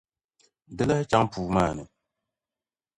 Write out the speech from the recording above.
Di lahi chaŋ puu maa ni